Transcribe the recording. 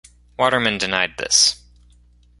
Waterman denied this.